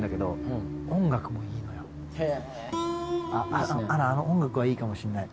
亜嵐あの音楽はいいかもしんない。